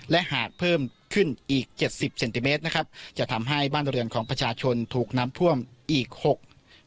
และหากเพิ่มขึ้นอีกเจ็ดสิบเซนติเมตรนะครับจะทำให้บ้านเรือนของประชาชนถูกน้ำท่วมอีกหก